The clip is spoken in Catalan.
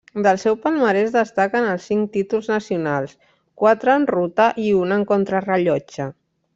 Del seu palmarès destaquen els cinc títols nacionals, quatre en ruta i un en contrarellotge.